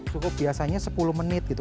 cukup biasanya sepuluh menit gitu